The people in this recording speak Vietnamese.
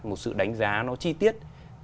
một sự đánh giá nó chi tiết